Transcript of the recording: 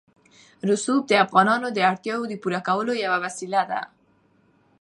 رسوب د افغانانو د اړتیاوو د پوره کولو یوه وسیله ده.